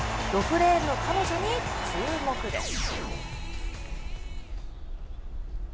６レーンの彼女に注目です。